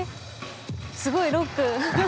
すごいロック。